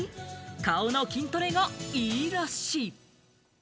顔の筋トレがいいらしい。